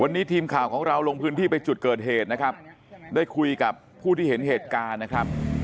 วันนี้ทีมข่าวของเราลงพื้นที่ไปจุดเกิดเหตุนะครับได้คุยกับผู้ที่เห็นเหตุการณ์นะครับ